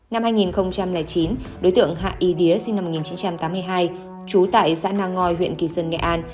năm hai nghìn chín đối tượng hạ y đía sinh năm một nghìn chín trăm tám mươi hai trú tại xã nang ngoi huyện kỳ sơn nghệ an